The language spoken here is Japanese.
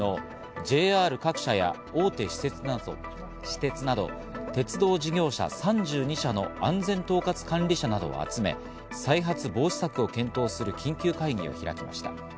事件を受け国土交通省は昨日、ＪＲ各社や大手私鉄など鉄道事業者３２社の安全統括管理者などを集め、再発防止策を検討する緊急会議を開きました。